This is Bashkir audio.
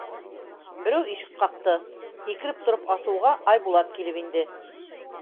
Берәү ишек ҡаҡты, һикереп тороп асыуға, Айбулат килеп инде.